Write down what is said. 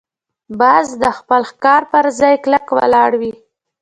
باز د خپل ښکار پر ځای کلکه ولاړ وي